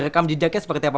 rekam jejaknya seperti apa